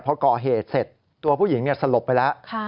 พอก่อเหตุเสร็จตัวผู้หญิงสลบไปแล้ว